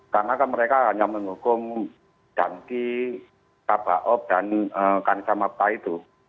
karena mereka hanya menghukum janti kabak op dan kansa mata itu